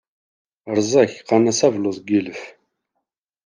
Rẓag, qqaren-as abelluḍ n yilef.